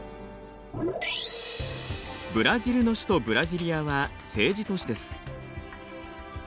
ブラジルの首都ブラジリアは政治都市です。